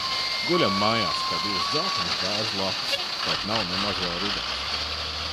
Guļam mājās kā divas dzeltenas bērza lapas, kaut nav nemaz vēl rudens.